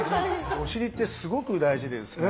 お尻ってすごく大事でですね